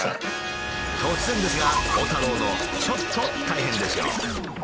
突然ですが鋼太郎のちょっと大変ですよ。